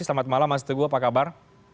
selamat malam mas teguh apa kabar